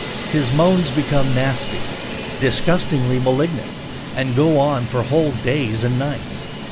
His moans become nasty, disgustingly malignant, and go on for whole days and nights.